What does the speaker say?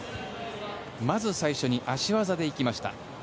まず最初に足技で行きました。